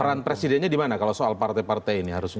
peran presidennya di mana kalau soal partai partai ini